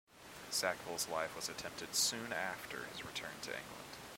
Sackville's life was attempted soon after his return to England.